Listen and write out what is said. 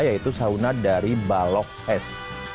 yaitu sauna dari balok s